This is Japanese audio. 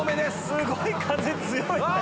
すごい風強い中で。